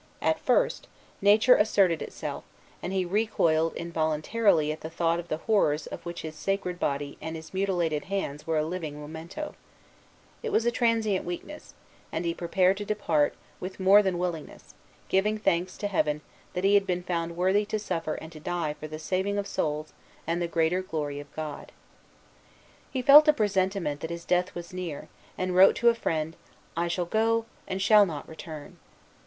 At first, nature asserted itself, and he recoiled involuntarily at the thought of the horrors of which his scarred body and his mutilated hands were a living memento. It was a transient weakness; and he prepared to depart with more than willingness, giving thanks to Heaven that he had been found worthy to suffer and to die for the saving of souls and the greater glory of God. Lettre du P. Isaac Jogues au R. P. Jérosme L'Allemant. Montreal, 2 Mai, 1646. MS. He felt a presentiment that his death was near, and wrote to a friend, "I shall go, and shall not return."